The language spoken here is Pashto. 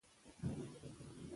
خلک د ورځې د کار پلان جوړوي